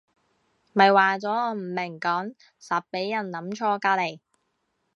咪話咗我唔明講實畀人諗錯隔離